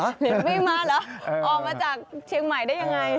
ลิ้นปิงมาเหรอออกมาจากเชียงใหม่ได้อย่างไร